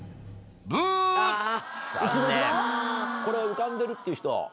これ浮かんでるっていう人。